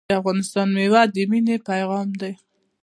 د افغانستان میوه د مینې پیغام دی.